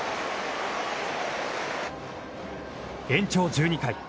延長１２回。